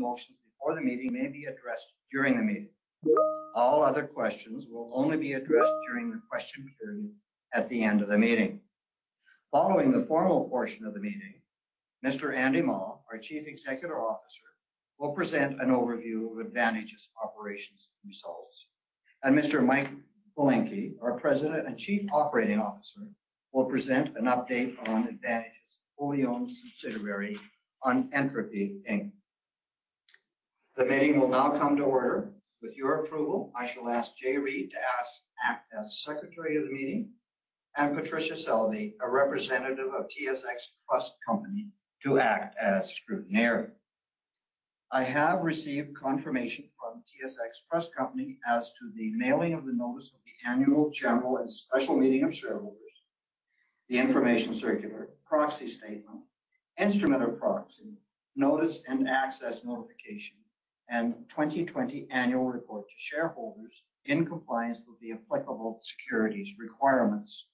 The motions before the meeting may be addressed during the meeting. All other questions will only be addressed during the question period at the end of the meeting. Following the formal portion of the meeting, Mr. Andy J. Mah, our Chief Executive Officer, will present an overview of Advantage's operations results. Mr. Mike Belenkie, our President and Chief Operating Officer, will present an update on Advantage's fully owned subsidiary on Entropy Inc. The meeting will now come to order. With your approval, I shall ask Jay P. Reid to act as Secretary of the meeting, and Patricia Selby, a representative of TSX Trust Company, to act as Scrutineer. I have received confirmation from TSX Trust Company as to the mailing of the notice of the annual general and special meeting of shareholders, the information circular, proxy statement, instrument of proxy, notice and access notification, and 2020 annual report to shareholders in compliance with the applicable securities requirements.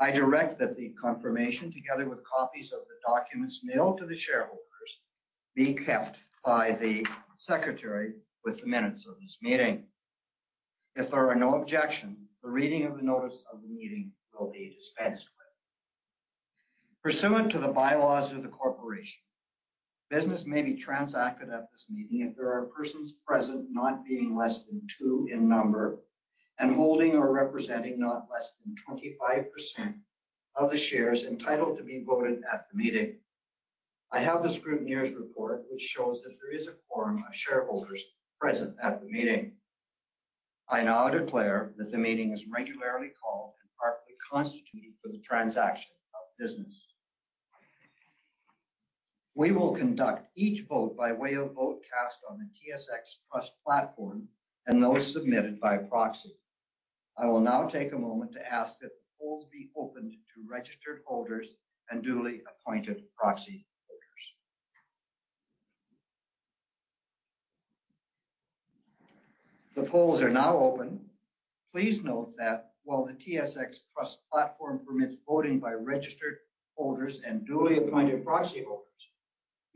I direct that the confirmation, together with copies of the documents mailed to the shareholders, be kept by the secretary with the minutes of this meeting. If there are no objection, the reading of the notice of the meeting will be dispensed with. Pursuant to the bylaws of the corporation, business may be transacted at this meeting if there are persons present not being less than two in number and holding or representing not less than 25% of the shares entitled to be voted at the meeting. I have the scrutineer's report, which shows that there is a quorum of shareholders present at the meeting. I now declare that the meeting is regularly called and properly constituted for the transaction of business. We will conduct each vote by way of vote cast on the TSX Trust platform and those submitted by proxy. I will now take a moment to ask that the polls be opened to registered holders and duly appointed proxy holders. The polls are now open. Please note that while the TSX Trust platform permits voting by registered holders and duly appointed proxy holders,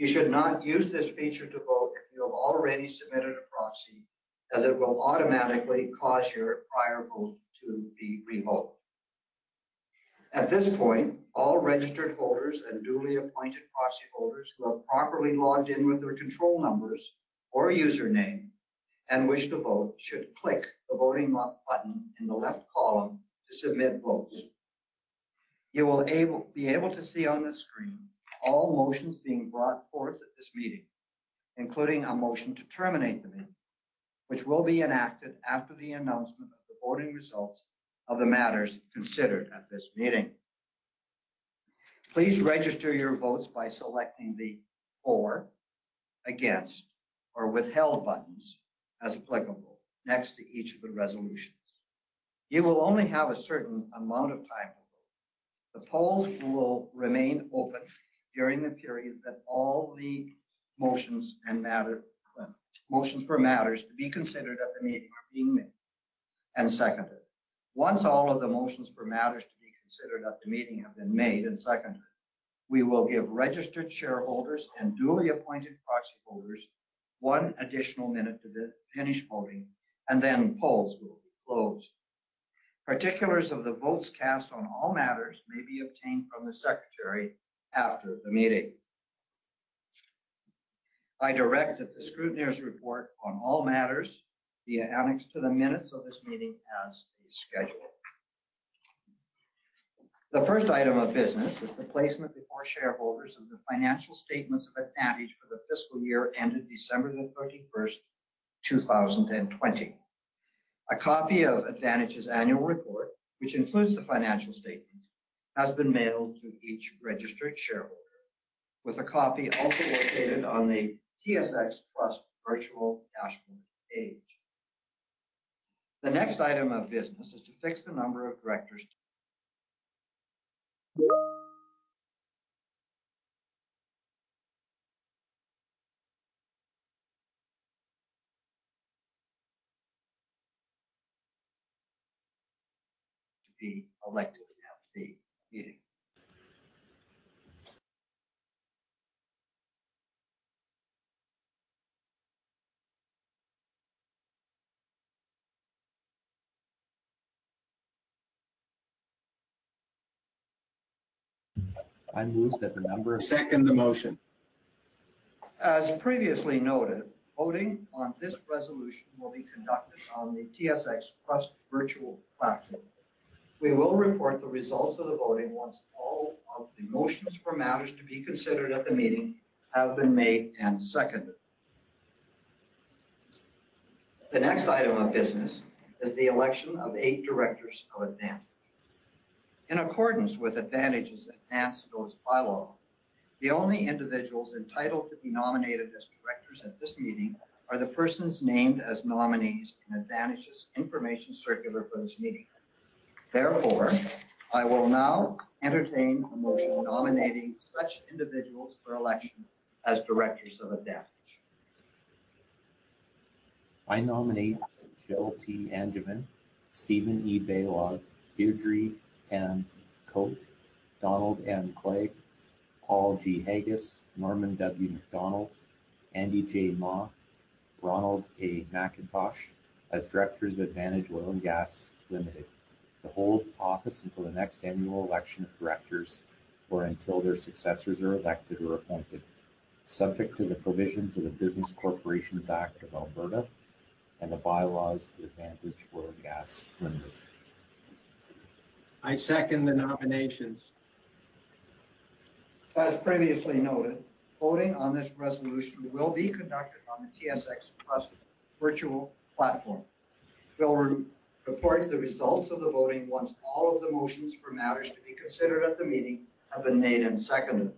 you should not use this feature to vote if you have already submitted a proxy, as it will automatically cause your prior vote to be revoted. At this point, all registered holders and duly appointed proxy holders who have properly logged in with their control numbers or username and wish to vote should click the voting button in the left column to submit votes. You will be able to see on the screen all motions being brought forth at this meeting, including a motion to terminate the meeting, which will be enacted after the announcement of the voting results of the matters considered at this meeting. Please register your votes by selecting the for, against, or withheld buttons as applicable next to each of the resolutions. You will only have a certain amount of time to vote. The polls will remain open during the period that all the motions for matters to be considered at the meeting are being made and seconded. Once all of the motions for matters to be considered at the meeting have been made and seconded, we will give registered shareholders and duly appointed proxy holders one additional minute to finish voting, and then polls will be closed. Particulars of the votes cast on all matters may be obtained from the secretary after the meeting. I direct that the scrutineer's report on all matters be annexed to the minutes of this meeting as a schedule. The first item of business is the placement before shareholders of the financial statements of Advantage for the fiscal year ended December the 31st, 2020. A copy of Advantage's annual report, which includes the financial statement, has been mailed to each registered shareholder with a copy also located on the TSX Trust virtual dashboard page. The next item of business is to fix the number of directors to be elected at the meeting. Second the motion. As previously noted, voting on this resolution will be conducted on the TSX Trust virtual platform. We will report the results of the voting once all of the motions for matters to be considered at the meeting have been made and seconded. The next item of business is the election of eight directors of Advantage. In accordance with Advantage's advanced notice bylaw, the only individuals entitled to be nominated as directors at this meeting are the persons named as nominees in Advantage's information circular for this meeting. Therefore, I will now entertain a motion nominating such individuals for election as directors of Advantage. I nominate Jill T. Angevine, Steven E. Byle, Deirdre M. Choate, Donald M. Clague, Paul G. Haggis, Norman W. MacDonald, Andy J. Mah, Ronald A. McIntosh as directors of Advantage Oil & Gas Ltd. to hold office until the next annual election of directors, or until their successors are elected or appointed, subject to the provisions of the Business Corporations Act (Alberta) and the bylaws of Advantage Oil & Gas Ltd. I second the nominations. As previously noted, voting on this resolution will be conducted on the TSX Trust virtual platform. We'll report the results of the voting once all of the motions for matters to be considered at the meeting have been made and seconded.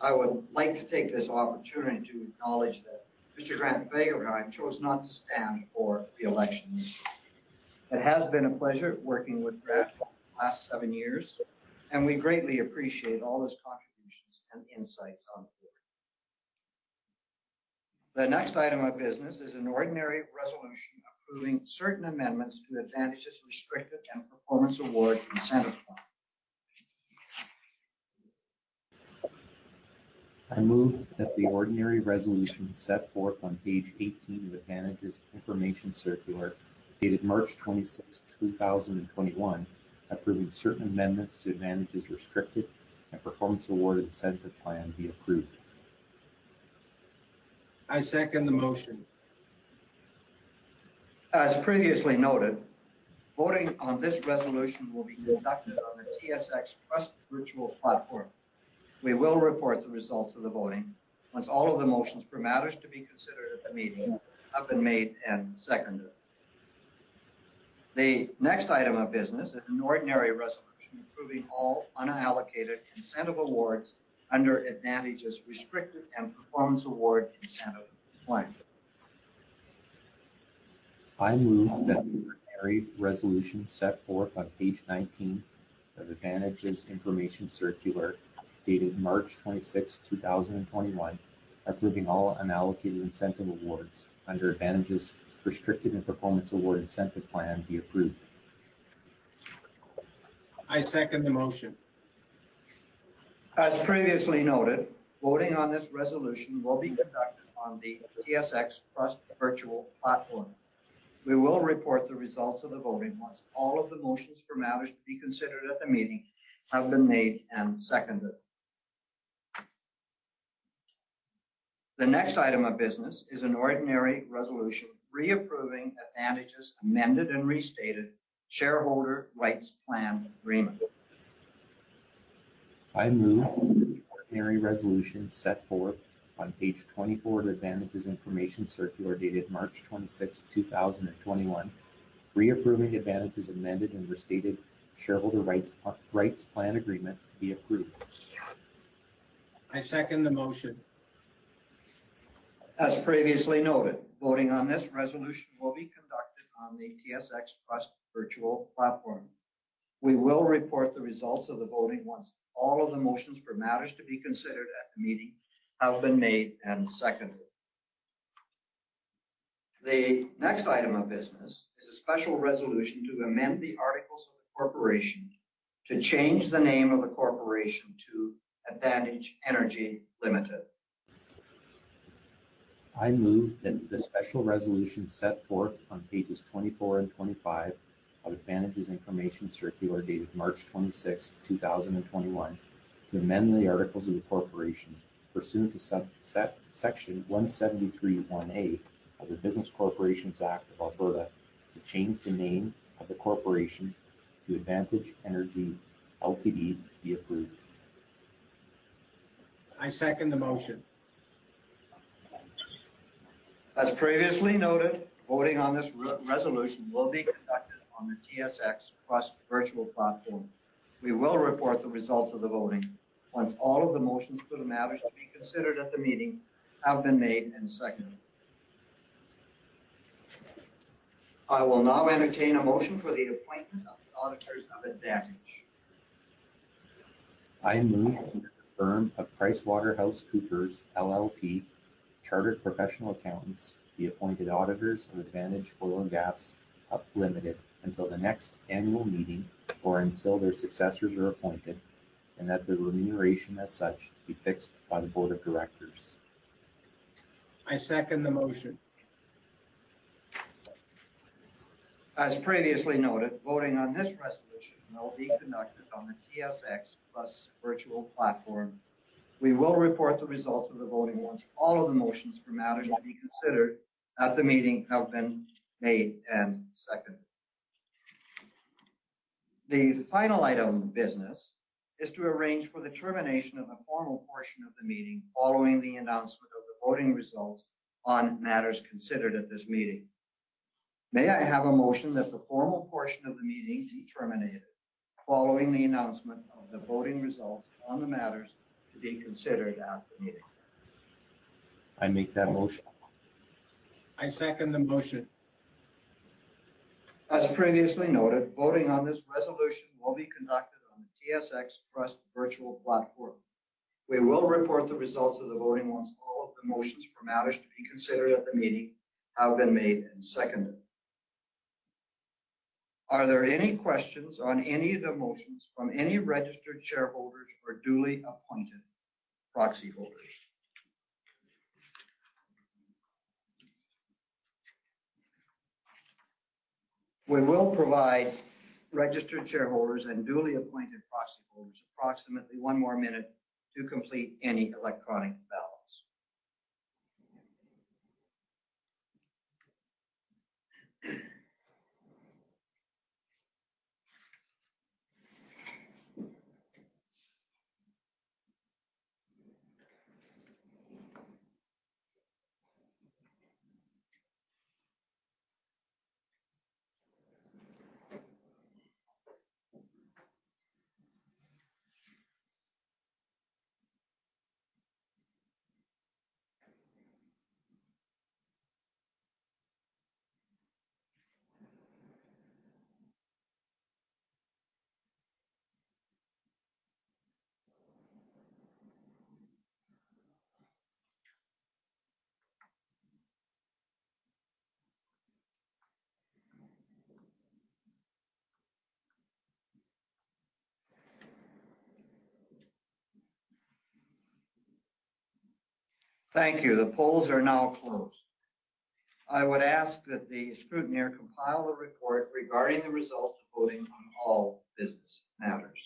I would like to take this opportunity to acknowledge that Mr. Grant Fagerheim and I chose not to stand for re-election this year. It has been a pleasure working with Grant for the last seven years, and we greatly appreciate all his contributions and insights on the board. The next item of business is an ordinary resolution approving certain amendments to Advantage's Restricted and Performance Award Incentive Plan. I move that the ordinary resolution set forth on page 18 of Advantage's information circular, dated March 26, 2021, approving certain amendments to Advantage's Restricted and Performance Award Incentive Plan be approved. I second the motion. As previously noted, voting on this resolution will be conducted on the TSX Trust virtual platform. We will report the results of the voting once all of the motions for matters to be considered at the meeting have been made and seconded. The next item of business is an ordinary resolution approving all unallocated incentive awards under Advantage's Restricted and Performance Award Incentive Plan. I move that the ordinary resolution set forth on page 19 of Advantage's information circular, dated March 26, 2021, approving all unallocated incentive awards under Advantage's Restricted and Performance Award Incentive Plan be approved. I second the motion. As previously noted, voting on this resolution will be conducted on the TSX Trust virtual platform. We will report the results of the voting once all of the motions for matters to be considered at the meeting have been made and seconded. The next item of business is an ordinary resolution reapproving Advantage's amended and restated shareholder rights plan agreement. I move that the ordinary resolution set forth on page 24 of Advantage's information circular, dated March 26, 2021, reapproving Advantage's amended and restated shareholder rights plan agreement be approved. I second the motion. As previously noted, voting on this resolution will be conducted on the TSX Trust virtual platform. We will report the results of the voting once all of the motions for matters to be considered at the meeting have been made and seconded. The next item of business is a special resolution to amend the articles of the corporation to change the name of the corporation to Advantage Energy Limited. I move that the special resolution set forth on pages 24 and 25 of Advantage's information circular, dated March 26, 2021, to amend the articles of the corporation pursuant to Section 173(1) of the Business Corporations Act of Alberta to change the name of the corporation to Advantage Energy Ltd., be approved. I second the motion. As previously noted, voting on this resolution will be conducted on the TSX Trust virtual platform. We will report the results of the voting once all of the motions for the matters to be considered at the meeting have been made and seconded. I will now entertain a motion for the appointment of the auditors of Advantage. I move that the firm of PricewaterhouseCoopers LLP, Chartered Professional Accountants, be appointed auditors of Advantage Oil & Gas Ltd. until the next annual meeting or until their successors are appointed, and that the remuneration as such be fixed by the board of directors. I second the motion. As previously noted, voting on this resolution will be conducted on the TSX Trust virtual platform. We will report the results of the voting once all of the motions for matters to be considered at the meeting have been made and seconded. The final item of business is to arrange for the termination of the formal portion of the meeting following the announcement of the voting results on matters considered at this meeting. May I have a motion that the formal portion of the meeting be terminated following the announcement of the voting results on the matters to be considered at the meeting? I make that motion. I second the motion. As previously noted, voting on this resolution will be conducted on the TSX Trust virtual platform. We will report the results of the voting once all of the motions from Advantage to be considered at the meeting have been made and seconded. Are there any questions on any of the motions from any registered shareholders or duly appointed proxy holders? We will provide registered shareholders and duly appointed proxy holders approximately one more minute to complete any electronic ballots. Thank you. The polls are now closed. I would ask that the scrutineer compile a report regarding the results of voting on all business matters.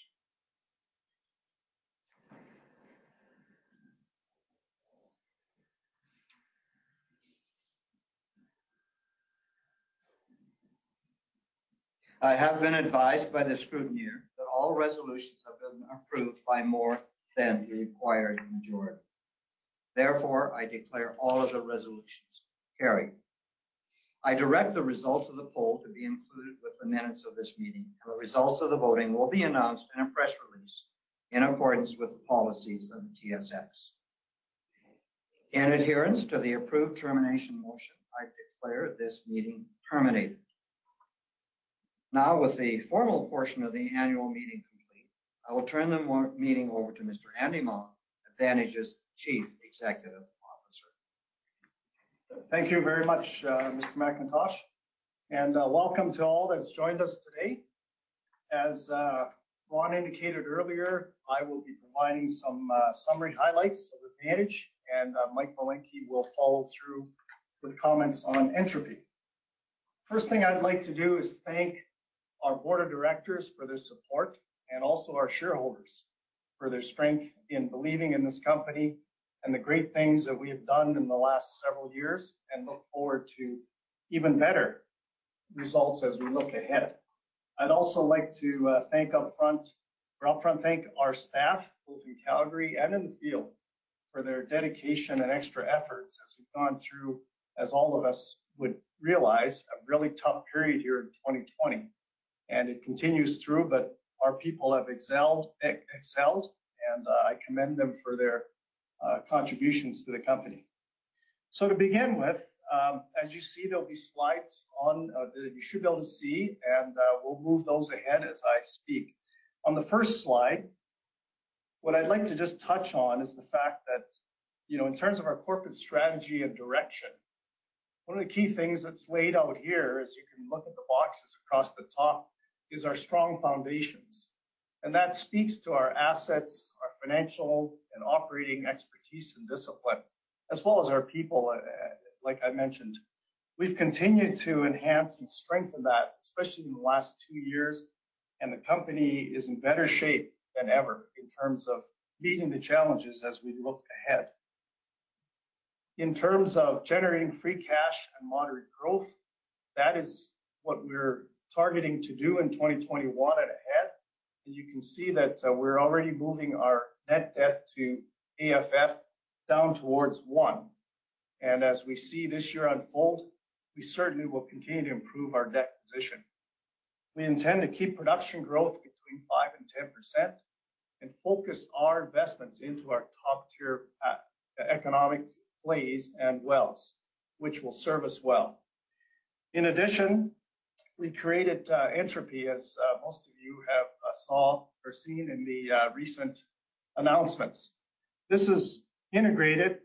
I have been advised by the scrutineer that all resolutions have been approved by more than the required majority. Therefore, I declare all of the resolutions carried. I direct the results of the poll to be included with the minutes of this meeting, and the results of the voting will be announced in a press release in accordance with the policies of the TSX. In adherence to the approved termination motion, I declare this meeting terminated. With the formal portion of the annual meeting complete, I will turn the meeting over to Mr. Andy J. Mah, Advantage's Chief Executive Officer. Thank you very much, Mr. McIntosh, and welcome to all that's joined us today. As Ron indicated earlier, I will be providing some summary highlights of Advantage, and Mike Belenkie will follow through with comments on Entropy. First thing I'd like to do is thank our board of directors for their support and also our shareholders for their strength in believing in this company and the great things that we have done in the last several years and look forward to even better results as we look ahead. I'd also like to upfront thank our staff, both in Calgary and in the field, for their dedication and extra efforts as we've gone through, as all of us would realize, a really tough period here in 2020. It continues through, but our people have excelled, and I commend them for their contributions to the company. To begin with, as you see, there'll be slides that you should be able to see, and we'll move those ahead as I speak. On the first slide, what I'd like to just touch on is the fact that in terms of our corporate strategy and direction, one of the key things that's laid out here, as you can look at the boxes across the top, is our strong foundations. That speaks to our assets, our financial and operating expertise and discipline, as well as our people, like I mentioned. We've continued to enhance and strengthen that, especially in the last two years, and the company is in better shape than ever in terms of meeting the challenges as we look ahead. In terms of generating free cash and moderate growth, that is what we're targeting to do in 2021 and ahead. You can see that we're already moving our net debt to AFF down towards one. As we see this year unfold, we certainly will continue to improve our debt position. We intend to keep production growth between 5% and 10% and focus our investments into our top-tier economic plays and wells, which will serve us well. In addition, we created Entropy, as most of you have seen in the recent announcements. This is integrated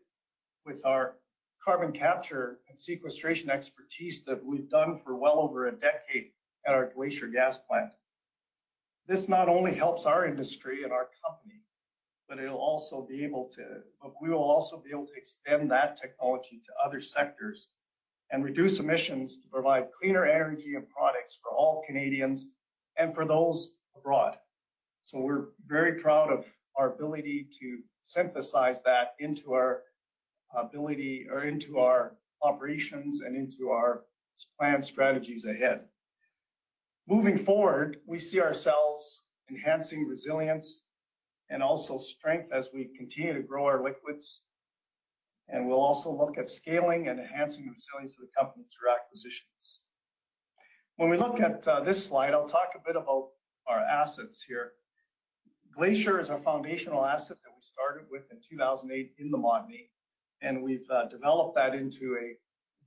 with our carbon capture and sequestration expertise that we've done for well over a decade at our Glacier gas plant. This not only helps our industry and our company, but we will also be able to extend that technology to other sectors and reduce emissions to provide cleaner energy and products for all Canadians and for those abroad. We're very proud of our ability to synthesize that into our operations and into our planned strategies ahead. Moving forward, we see ourselves enhancing resilience and also strength as we continue to grow our liquids, and we'll also look at scaling and enhancing the resilience of the company through acquisitions. We look at this slide, I'll talk a bit about our assets here. Glacier is our foundational asset that we started with in 2008 in the Montney, and we've developed that into a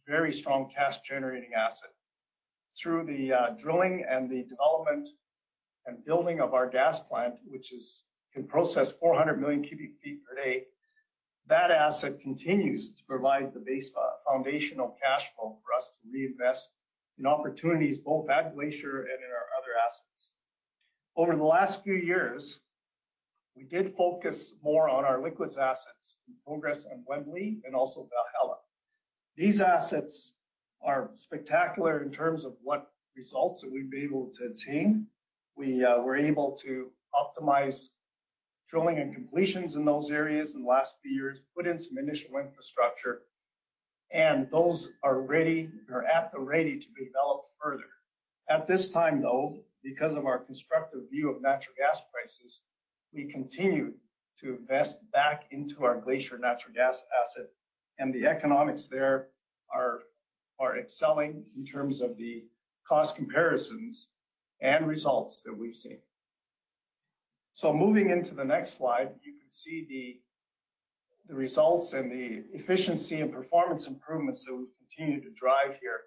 very strong cash-generating asset. Through the drilling and the development and building of our gas plant, which can process 400 million cubic feet per day, that asset continues to provide the base foundational cash flow for us to reinvest in opportunities, both at Glacier and in our other assets. Over the last few years, we did focus more on our liquids assets, in progress on Wembley and also Valhalla. These assets are spectacular in terms of what results that we've been able to attain. We were able to optimize drilling and completions in those areas in the last few years, put in some initial infrastructure, and those are at the ready to be developed further. At this time, though, because of our constructive view of natural gas prices, we continue to invest back into our Glacier natural gas asset. The economics there are excelling in terms of the cost comparisons and results that we've seen. Moving into the next slide, you can see the results and the efficiency and performance improvements that we've continued to drive here.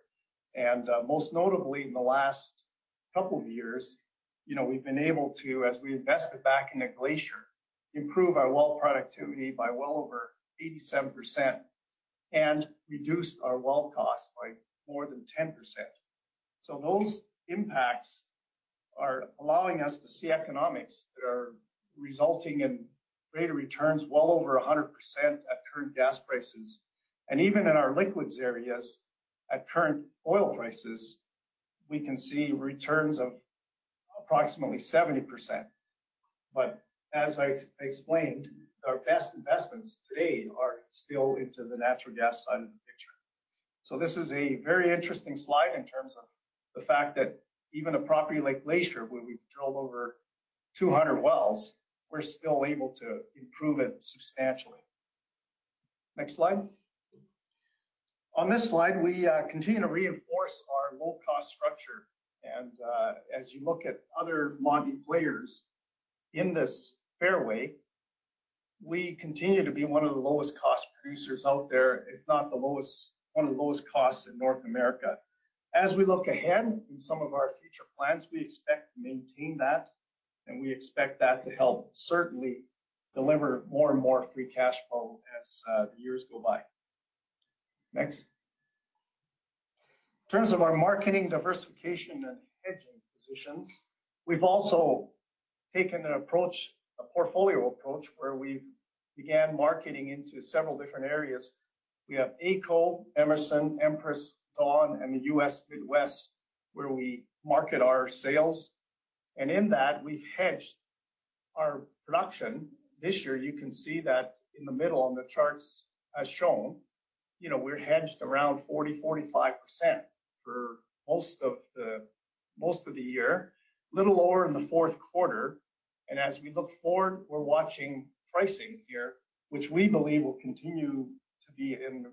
Most notably in the last couple of years, we've been able to, as we invested back into Glacier, improve our well productivity by well over 87% and reduce our well cost by more than 10%. Those impacts are allowing us to see economics that are resulting in greater returns, well over 100% at current gas prices. Even in our liquids areas, at current oil prices, we can see returns of approximately 70%. As I explained, our best investments today are still into the natural gas side of the picture. This is a very interesting slide in terms of the fact that even a property like Glacier, where we've drilled over 200 wells, we're still able to improve it substantially. Next slide. On this slide, we continue to reinforce our low-cost structure. As you look at other Montney players in this fairway, we continue to be one of the lowest cost producers out there, if not one of the lowest costs in North America. As we look ahead in some of our future plans, we expect to maintain that, and we expect that to help certainly deliver more and more free cash flow as the years go by. Next. In terms of our marketing diversification and hedging positions, we've also taken a portfolio approach where we began marketing into several different areas. We have AECO, Emerson, Empress, Dawn, and the U.S. Midwest, where we market our sales. In that, we've hedged our production. This year, you can see that in the middle on the charts as shown, we're hedged around 40%-45% for most of the year, little lower in the fourth quarter. As we look forward, we're watching pricing here, which we believe will continue to be in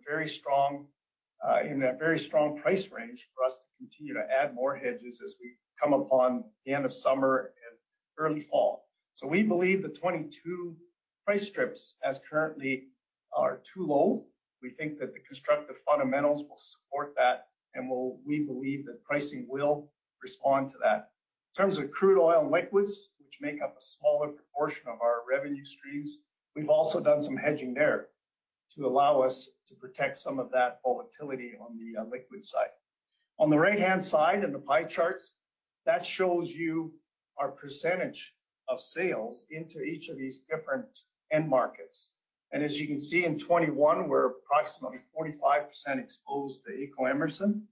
that very strong price range for us to continue to add more hedges as we come upon the end of summer and early fall. We believe the 2022 price strips as currently are too low. We think that the constructive fundamentals will support that, and we believe that pricing will respond to that. In terms of crude oil and liquids, which make up a smaller proportion of our revenue streams, we've also done some hedging there to allow us to protect some of that volatility on the liquids side. On the right-hand side in the pie charts, that shows you our percentage of sales into each of these different end markets. As you can see in 2021, we're approximately 45% exposed to AECO Emerson,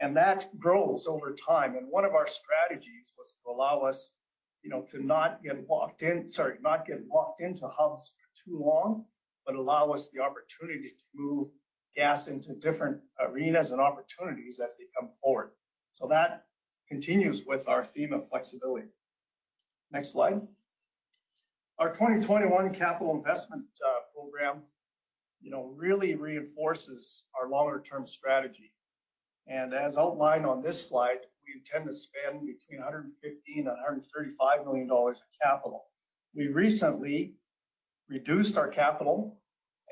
and that grows over time. One of our strategies was to allow us to not get locked into hubs for too long, but allow us the opportunity to move gas into different arenas and opportunities as they come forward. That continues with our theme of flexibility. Next slide. Our 2021 capital investment program really reinforces our longer-term strategy. As outlined on this slide, we intend to spend between 115 million and 135 million dollars of capital. We recently reduced our capital,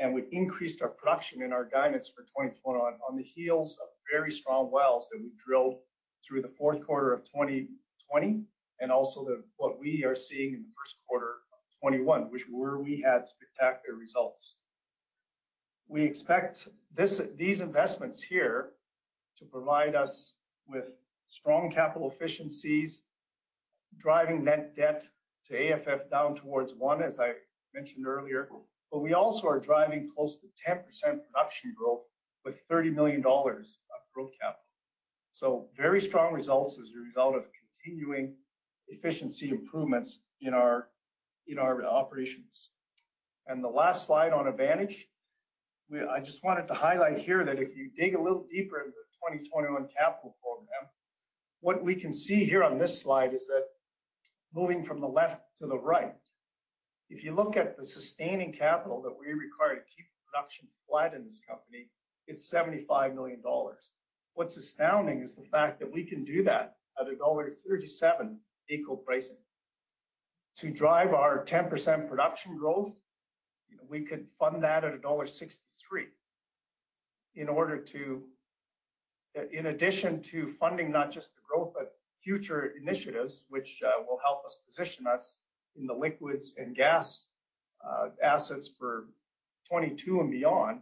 and we increased our production and our guidance for 2021 on the heels of very strong wells that we drilled through the fourth quarter of 2020, and also what we are seeing in the first quarter of 2021, where we had spectacular results. We expect these investments here to provide us with strong capital efficiencies, driving net debt to AFF down towards one, as I mentioned earlier. We also are driving close to 10% production growth with 30 million dollars of growth capital. Very strong results as a result of continuing efficiency improvements in our operations. The last slide on Advantage, I just wanted to highlight here that if you dig a little deeper into the 2021 capital program, what we can see here on this slide is that moving from the left to the right. If you look at the sustaining capital that we require to keep production flat in this company, it's 75 million dollars. What's astounding is the fact that we can do that at a dollar 1.37 AECO pricing. To drive our 10% production growth, we could fund that at dollar 1.63. In addition to funding not just the growth, but future initiatives, which will help us position us in the liquids and gas assets for 2022 and beyond,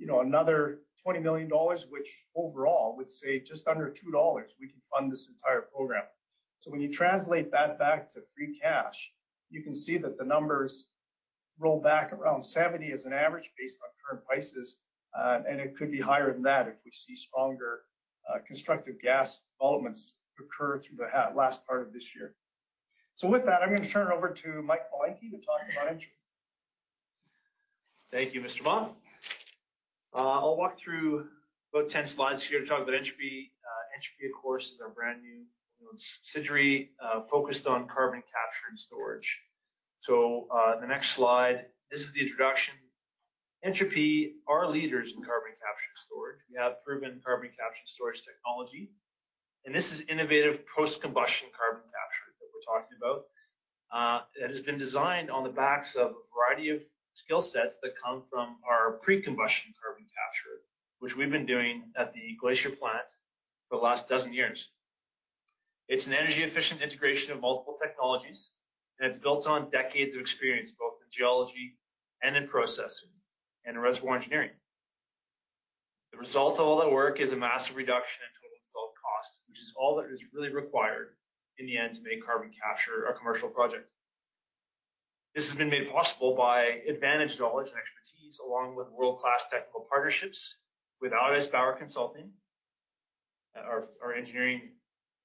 another 20 million dollars, which overall would say just under 2 dollars, we can fund this entire program. When you translate that back to free cash, you can see that the numbers roll back around 70 as an average based on current prices, and it could be higher than that if we see stronger constructive gas developments occur through the last part of this year. With that, I'm going to turn it over to Mike Belenkie to talk about Entropy Inc. Thank you, Mr. Mah. I'll walk through about 10 slides here to talk about Entropy. Entropy, of course, is our brand new subsidiary, focused on carbon capture and storage. The next slide, this is the introduction. Entropy are leaders in carbon capture storage. We have proven carbon capture storage technology, and this is innovative post-combustion carbon capture that we're talking about. It has been designed on the backs of a variety of skill sets that come from our pre-combustion carbon capture, which we've been doing at the Glacier plant for the last dozen years. It's an energy-efficient integration of multiple technologies, and it's built on decades of experience, both in geology and in processing and reservoir engineering. The result of all that work is a massive reduction in total installed cost, which is all that is really required, in the end, to make carbon capture a commercial project. This has been made possible by Advantage knowledge and expertise, along with world-class technical partnerships with Allis-Chalmers Energy, our engineering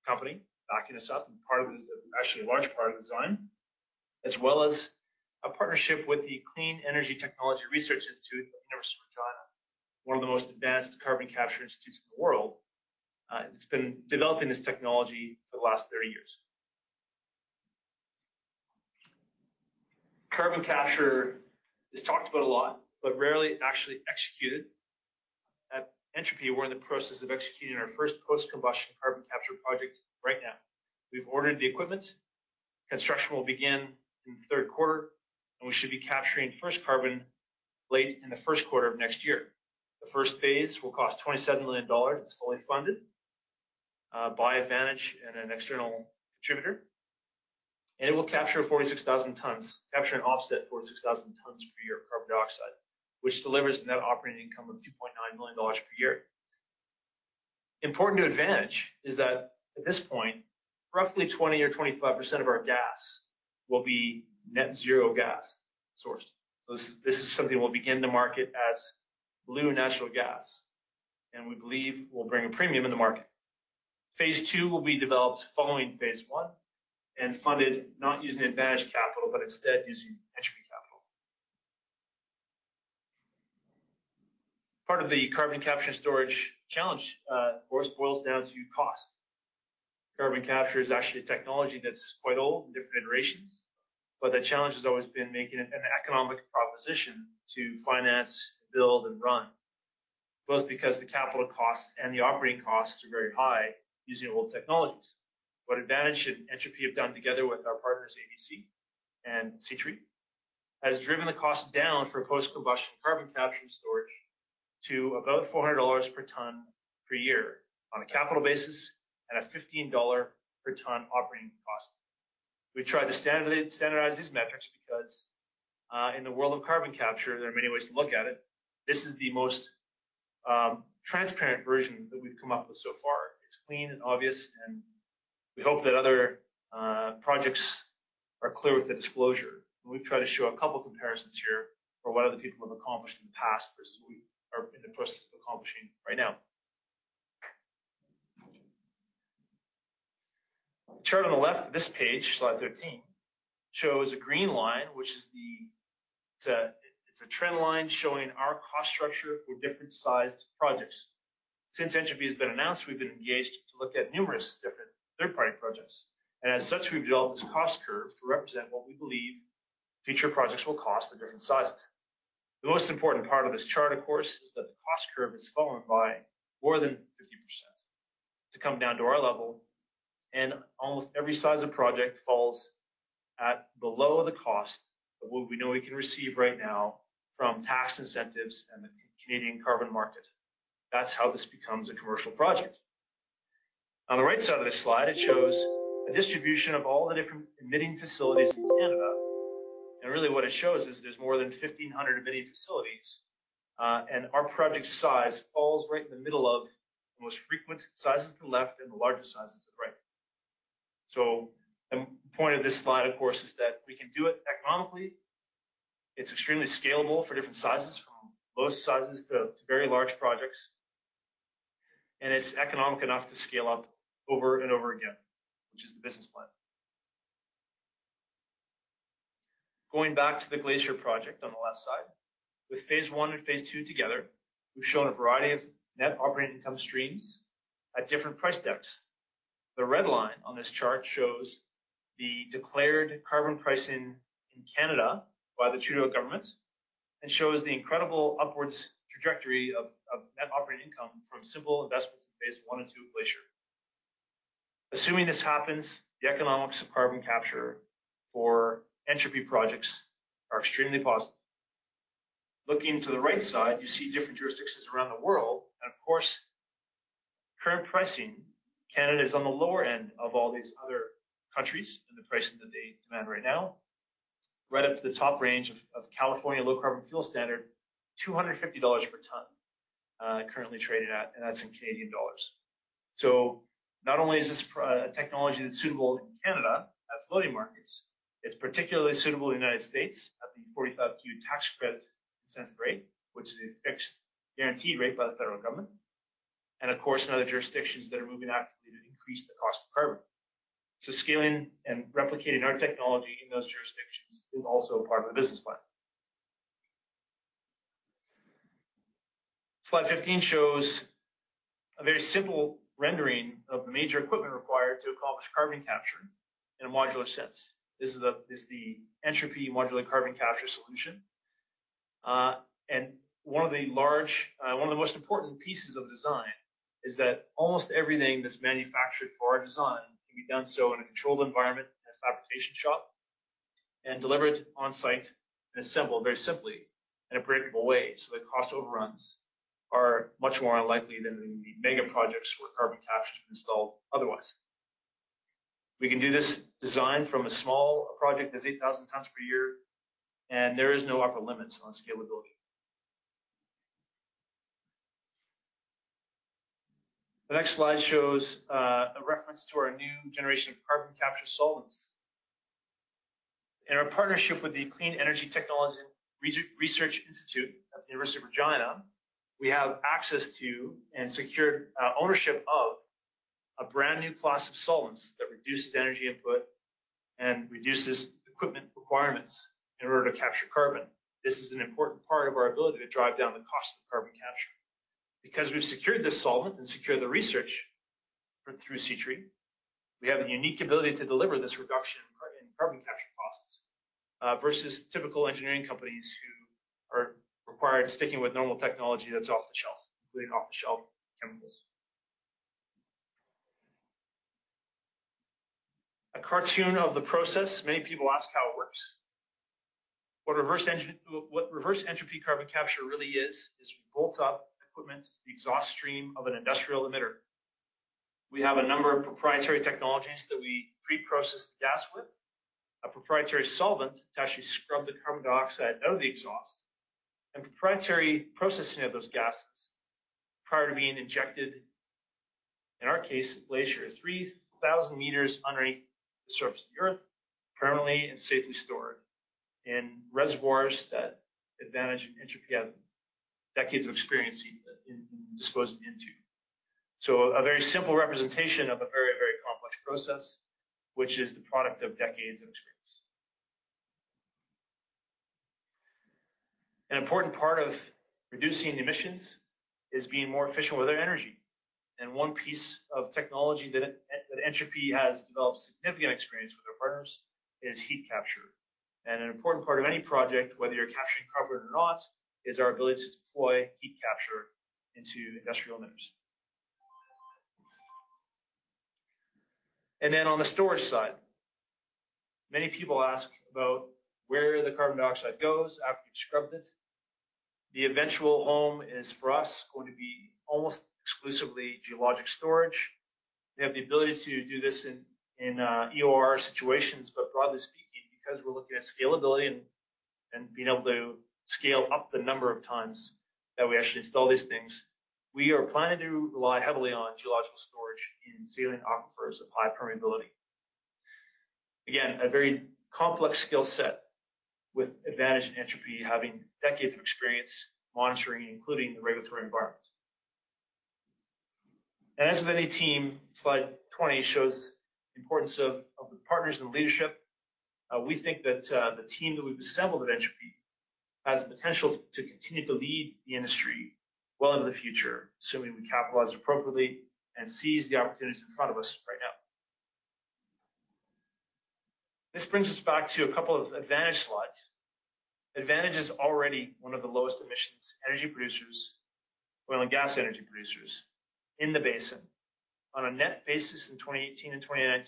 company, backing us up, and actually a large part of the design. As well as a partnership with the Clean Energy Technologies Research Institute at the University of Regina, one of the most advanced carbon capture institutes in the world. It's been developing this technology for the last 30 years. Carbon capture is talked about a lot, but rarely actually executed. At Entropy, we're in the process of executing our first post-combustion carbon capture project right now. We've ordered the equipment. Construction will begin in the third quarter, and we should be capturing the first carbon late in the first quarter of next year. The first phase will cost 27 million dollars. It's fully funded by Advantage and an external contributor, and it will capture 46,000 tons, capture and offset 46,000 tons per year of carbon dioxide, which delivers a net operating income of 2.9 million dollars per year. Important to Advantage is that at this point, roughly 20 or 25% of our gas will be net-zero gas sourced. This is something we'll begin to market as blue natural gas, and we believe will bring a premium in the market. Phase II will be developed following phase I and funded not using Advantage capital, but instead using Entropy capital. Part of the carbon capture and storage challenge, of course, boils down to cost. Carbon capture is actually a technology that's quite old in different iterations, but the challenge has always been making it an economic proposition to finance, build, and run, both because the capital costs and the operating costs are very high using old technologies. What Advantage and Entropy have done together with our partners, ABC and CETRI, has driven the cost down for post-combustion carbon capture storage to about 400 dollars per ton per year on a capital basis and a 15 dollar per ton operating cost. We've tried to standardize these metrics because, in the world of carbon capture, there are many ways to look at it. This is the most transparent version that we've come up with so far. It's clean and obvious, and we hope that other projects are clear with the disclosure. We've tried to show a couple comparisons here for what other people have accomplished in the past versus what we are in the process of accomplishing right now. The chart on the left of this page, slide 13, shows a green line, It's a trend line showing our cost structure for different sized projects. Since Entropy has been announced, we've been engaged to look at numerous different third-party projects, and as such, we've developed this cost curve to represent what we believe future projects will cost at different sizes. The most important part of this chart, of course, is that the cost curve has fallen by more than 50% to come down to our level, and almost every size of project falls at below the cost of what we know we can receive right now from tax incentives and the Canadian carbon market. That's how this becomes a commercial project. On the right side of this slide, it shows a distribution of all the different emitting facilities in Canada, and really what it shows is there's more than 1,500 emitting facilities, and our project size falls right in the middle of the most frequent sizes to the left and the largest sizes to the right. The point of this slide, of course, is that we can do it economically. It's extremely scalable for different sizes, from low sizes to very large projects, and it's economic enough to scale up over and over again, which is the business plan. Going back to the Glacier project on the left side. With phase I and phase II together, we've shown a variety of net operating income streams at different price decks. The red line on this chart shows the declared carbon pricing in Canada by the Trudeau government, and shows the incredible upwards trajectory of net operating income from simple investments in phase I and II of Glacier. Assuming this happens, the economics of carbon capture for Entropy projects are extremely positive. Looking to the right side, you see different jurisdictions around the world. Of course, current pricing, Canada is on the lower end of all these other countries in the pricing that they demand right now. Right up to the top range of California Low Carbon Fuel Standard, 250 dollars per ton, currently traded at. That's in Canadian dollars. Not only is this a technology that's suitable in Canada, at floating markets, it's particularly suitable in the United States at the Section 45Q tax credit incentive rate, which is a fixed guaranteed rate by the federal government. Of course, in other jurisdictions that are moving actively to increase the cost of carbon. Scaling and replicating our technology in those jurisdictions is also a part of the business plan. Slide 15 shows a very simple rendering of the major equipment required to accomplish carbon capture in a modular sense. This is the Entropy Modular Carbon Capture solution. One of the most important pieces of the design is that almost everything that's manufactured for our design can be done so in a controlled environment, in a fabrication shop, and delivered on site and assembled very simply in a predictable way. The cost overruns are much more unlikely than the mega projects where carbon capture is installed otherwise. We can do this design from a small project that's 8,000 tons per year, and there is no upper limits on scalability. The next slide shows a reference to our new generation of carbon capture solvents. In our partnership with the Clean Energy Technologies Research Institute at the University of Regina, we have access to and secured ownership of a brand new class of solvents that reduces energy input and reduces equipment requirements in order to capture carbon. This is an important part of our ability to drive down the cost of carbon capture. We've secured this solvent and secured the research through CETRI, we have the unique ability to deliver this reduction in carbon capture costs, versus typical engineering companies who are required sticking with normal technology that's off-the-shelf, including off-the-shelf chemicals. A cartoon of the process. Many people ask how it works. What Reverse Entropy carbon capture really is we bolt up equipment to the exhaust stream of an industrial emitter. We have a number of proprietary technologies that we pre-process the gas with, a proprietary solvent to actually scrub the carbon dioxide out of the exhaust, and proprietary processing of those gases prior to being injected, in our case, at Glacier, 3,000 meters underneath the surface of the earth, permanently and safely stored in reservoirs that Advantage and Entropy have decades of experience in disposing into. A very simple representation of a very complex process, which is the product of decades of experience. An important part of reducing emissions is being more efficient with our energy. One piece of technology that Entropy has developed significant experience with our partners is heat capture. An important part of any project, whether you're capturing carbon or not, is our ability to deploy heat capture into industrial emitters. On the storage side, many people ask about where the carbon dioxide goes after you've scrubbed it. The eventual home is, for us, going to be almost exclusively geologic storage. We have the ability to do this in EOR situations, but broadly speaking, because we're looking at scalability and being able to scale up the number of times that we actually install these things, we are planning to rely heavily on geological storage in saline aquifers of high permeability. Again, a very complex skill set with Advantage and Entropy having decades of experience monitoring, including the regulatory environment. As with any team, slide 20 shows the importance of the partners and leadership. We think that the team that we've assembled at Entropy has the potential to continue to lead the industry well into the future, assuming we capitalize appropriately and seize the opportunities in front of us right now. This brings us back to a couple of Advantage slides. Advantage is already one of the lowest emissions energy producers, oil and gas energy producers, in the basin. On a net basis in 2018 and 2019,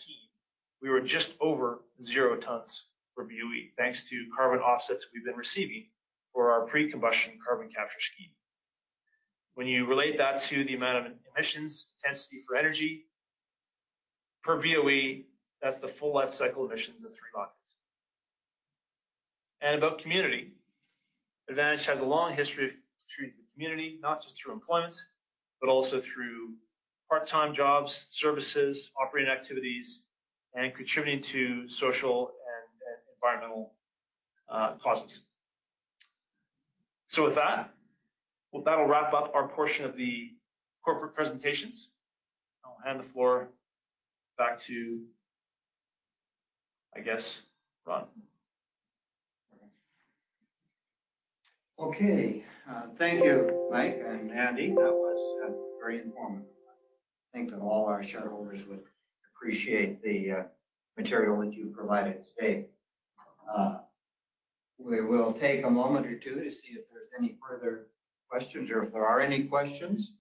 we were just over zero tons per BOE, thanks to carbon offsets we've been receiving for our pre-combustion carbon capture scheme. When you relate that to the amount of emissions intensity for energy per BOE, that's the full life cycle emissions of three boxes. About community. Advantage has a long history of contributing to the community, not just through employment, but also through part-time jobs, services, operating activities, and contributing to social and environmental causes. With that, well, that'll wrap up our portion of the corporate presentations. I'll hand the floor back to, I guess, Ron. Okay. Thank you, Mike and Andy. That was very informative. I think that all our shareholders would appreciate the material that you provided today. We will take a moment or two to see if there's any further questions or if there are any questions.